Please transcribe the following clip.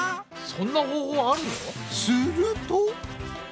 そんな方法あるの？